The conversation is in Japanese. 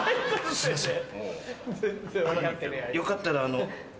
すいません。